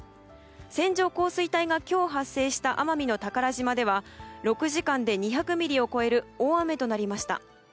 線状降水帯が今日発生した奄美の宝島では６時間で２００ミリを超える大雨となりました。